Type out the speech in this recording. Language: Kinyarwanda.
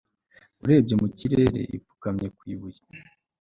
urebye mu kirere, upfukamye ku ibuye